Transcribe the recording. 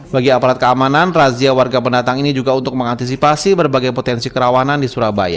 bagi aparat keamanan razia warga pendatang ini juga untuk mengantisipasi berbagai potensi kerawanan di surabaya